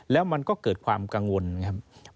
แล้วมันก็เกิดความกังวลครับ